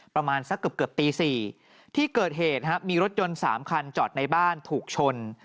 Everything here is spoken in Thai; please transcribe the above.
ประมาณสักเกือบตี๔ที่เกิดเหตุมีรถยนต์๓คันจอดในบ้านถูกชน